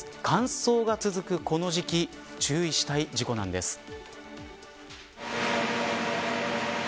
乾燥が続くこの時期注意したい事故なんです。